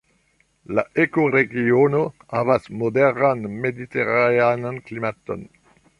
La ekoregiono havas moderan mediteranean klimaton.